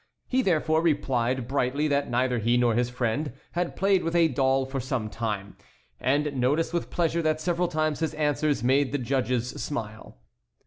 He, therefore, replied brightly that neither he nor his friend had played with a doll for some time, and noticed with pleasure that several times his answers made the judges smile.